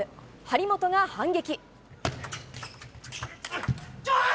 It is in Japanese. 張本が反撃。